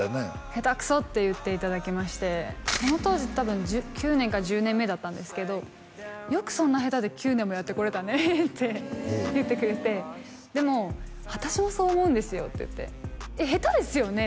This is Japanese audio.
下手くそって言っていただきましてその当時多分９年か１０年目だったんですけど「よくそんな下手で９年もやってこれたね」って言ってくれてでも「私もそう思うんですよ」って言って下手ですよね？